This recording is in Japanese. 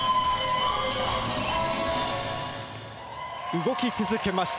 動き続けました。